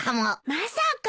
まさか。